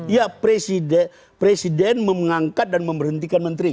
ya presiden mengangkat dan memberhentikan menteri